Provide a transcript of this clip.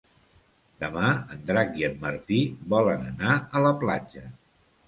Demà en Drac i en Martí volen anar a la platja.